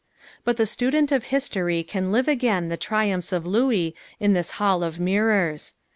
But the student of history can live again the triumphs of Louis in this Hall of Mirrors.